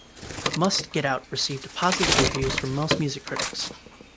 "Must Get Out" received positive reviews from most music critics.